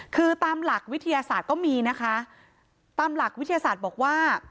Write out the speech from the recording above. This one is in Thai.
คือตามหลักวิทยาศาสตร์ก็มีนะคะตามหลักวิทยาศาสตร์บอกว่า